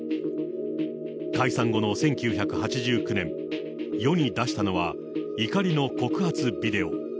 解散後の１９８９年、世に出したのは、怒りの告発ビデオ。